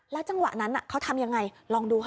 จังหวะนั้นเขาทำยังไงลองดูค่ะ